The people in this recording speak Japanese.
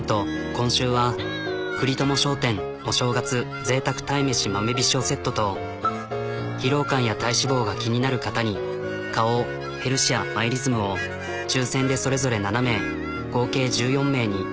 今週はクリトモ商店お正月贅沢鯛めし豆醤セットと疲労感や体脂肪が気になる方に花王ヘルシアｍｙリズムを抽選でそれぞれ７名合計１４名に。